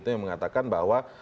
yang mengatakan bahwa